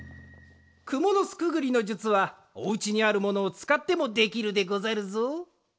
くもの巣くぐりの術はお家にあるものをつかってもできるでござるぞ。